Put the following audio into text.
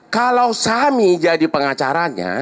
kalau sami jadi pengacaranya